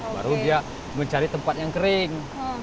baru dia mencari tempat yang kering